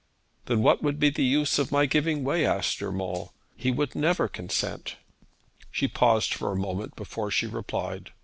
'Then what would be the use of my giving way?' asked Urmand. 'He would never consent.' She paused for a moment before she replied.